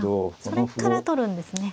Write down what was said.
それから取るんですね。